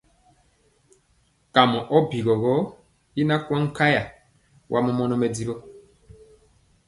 Kamɔ ɔ bigɔ i na kwaŋ nkaya, wa mɔmɔnɔ mɛdiwɔ.